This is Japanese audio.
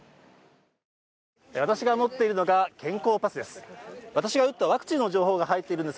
私が持っているのが、健康パスです。